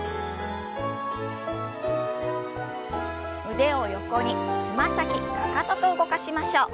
腕を横につま先かかとと動かしましょう。